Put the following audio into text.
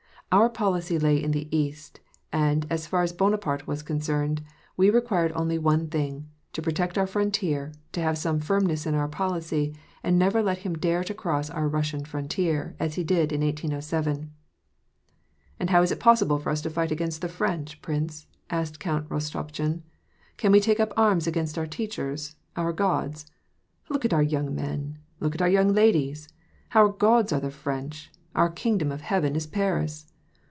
Our pol icy lay in the east ; and, as far as Bonaparte was concerned, we required only one thing : to protect our frontier, to have some firmness in our policy, and never to let him dare to cross the Bussian frontier, as he did in 1807. " And how is it possible for us to fight against the French, prince ?" asked Count Rostopchin. " Can we take up arms against our t eachers — our gods ? Look at our young men ! Look at our young ladies ! Our gods are the French ! our kingdom of heaven is Paris